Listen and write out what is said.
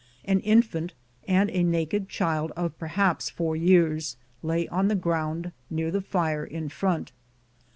An infant and a naked child of perhaps four years lay on the ground near the fire in front.